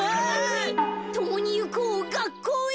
ともにいこうがっこうへ！